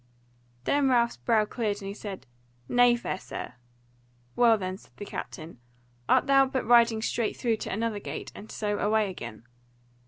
Then Ralph's brow cleared and he said, "Nay, fair sir." "Well then," said the captain, "art thou but riding straight through to another gate, and so away again?"